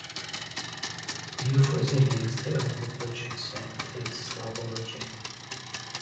Euphrosyne is the only virgin saint of East Slav origin.